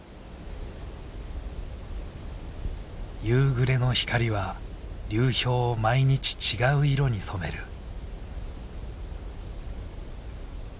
夕暮れの光は流氷を毎日違う色に染める。